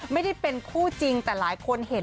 ไม่ได้เป็นคู่จริงแต่หลายคนเห็น